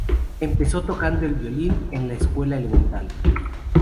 Empezó tocando el violín en la escuela elemental.